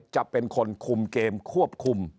จะเป็นคนคุมเกมควบคุม